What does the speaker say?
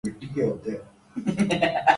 اگر biometric کے بنا